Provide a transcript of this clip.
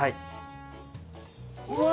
うわ。